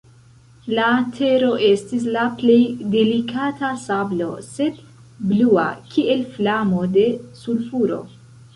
La tero estis la plej delikata sablo, sed blua, kiel flamo de sulfuro.